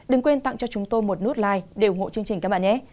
đừng quên tặng cho chúng tôi một nút like để ủng hộ chương trình các bạn nhé